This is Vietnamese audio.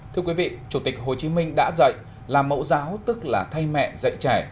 thưa quý vị chủ tịch hồ chí minh đã dạy làm mẫu giáo tức là thay mẹ dạy trẻ